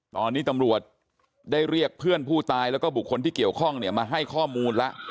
ตอนนี้ตำรวจได้เรียกเพื่อนผู้ตายแล้วก็บุคคลที่เกี่ยวข้องเนี่ยมาให้ข้อมูลแล้ว